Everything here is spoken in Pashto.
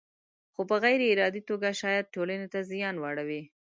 خو په غیر ارادي توګه شاید ټولنې ته زیان واړوي.